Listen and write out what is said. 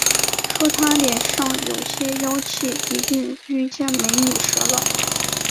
说他脸上有些妖气，一定遇见“美女蛇”了